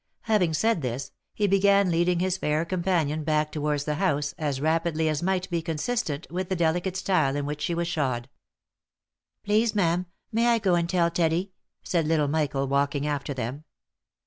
Having said this, he began leading his fair companion back towards the house as rapidly as might be consistent with the delicate style in which she was shod. "Please ma'am, may I go and tell Teddy?" said little Michael, walking after them.